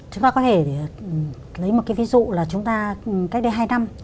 chúng ta có thể lấy một cái ví dụ là chúng ta cách đây hai năm